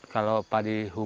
kalau padi rumah